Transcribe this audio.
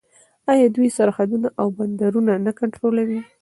آیا دوی سرحدونه او بندرونه نه کنټرولوي؟